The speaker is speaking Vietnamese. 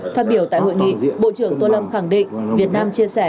phát biểu tại hội nghị bộ trưởng tô lâm khẳng định việt nam chia sẻ